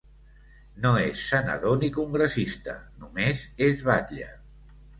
No és senador ni congressista, només és batlle.